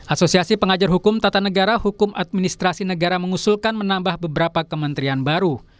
asosiasi pengajar hukum tata negara hukum administrasi negara mengusulkan menambah beberapa kementerian baru